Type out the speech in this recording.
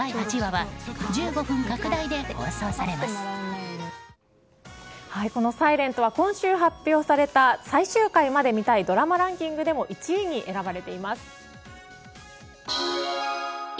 「ｓｉｌｅｎｔ」は今週発表された最終回まで見たいドラマランキングでも１位に選ばれています。